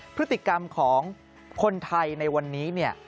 พฤติกรรมของคนไทยในวันนี้